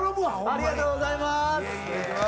ありがとうございます。